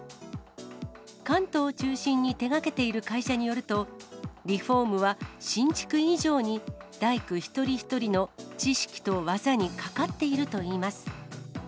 関東を中心に手がけている会社によると、リフォームは、新築以上に大工一人一人の知識と技にかかっているといいます。